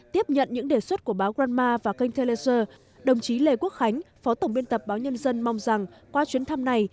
tiếp nhận những đề xuất của báo granma và kênh telecer đồng chí lê quốc khánh phó tổng biên tập báo nhân dân mong rằng qua chuyến thăm này